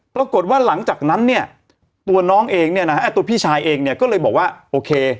ปรากฏว่าหลังจากนั้นเนี่ยตัวน้องเองเนี่ยนะฮะตัวพี่ชายเองเนี่ยก็เลยบอกว่าโอเค